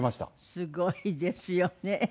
すごいですよね。